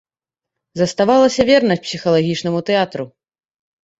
Заставалася вернасць псіхалагічнаму тэатру.